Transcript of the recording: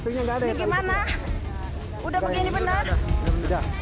ini gimana udah begini benar